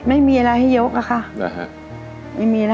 ไม่มีอะไรให้ยกอะค่ะนะฮะ